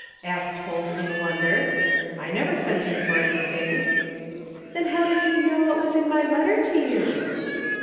asked Holt in wonder. " I never sent him for anything." " Then how did he know what was in my letter to you?"